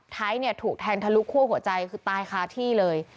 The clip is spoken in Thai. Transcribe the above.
ไทยเนี่ยถูกแทงทะลุคั่วหัวใจคือตายคาที่เลย